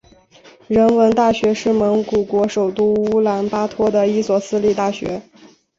人文大学是蒙古国首都乌兰巴托的一所私立大学。